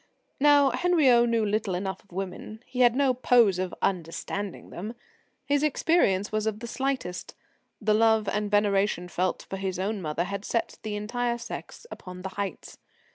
Now, Henriot knew little enough of women, and had no pose of "understanding" them. His experience was of the slightest; the love and veneration felt for his own mother had set the entire sex upon the heights.